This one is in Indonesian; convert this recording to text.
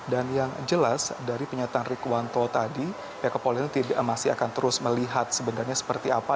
dan yang jelas dari penyataan rekuwanto tadi pihak kepolri ini masih akan terus melihat sebenarnya seperti apa